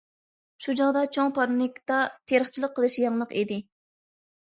شۇ چاغدا چوڭ پارنىكتا تېرىقچىلىق قىلىش يېڭىلىق ئىدى.